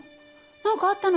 何かあったの？